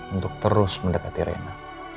untuk terus mendekati rena